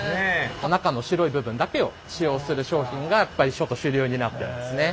中の白い部分だけを使用する商品がやっぱり主流になってますね。